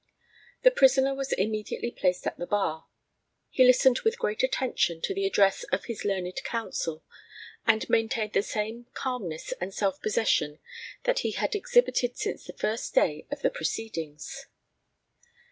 The prisoner was immediately placed at the bar. He listened with great attention to the address of his learned counsel, and maintained the same calmness and self possession that he had exhibited since the first day of the proceedings.